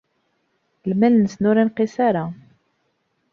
Lmal-nsen ur inqis ara.